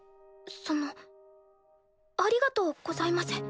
そのありがとうございます。